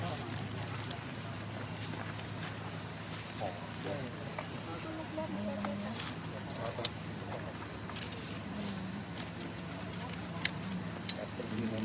สวัสดีครับทุกคน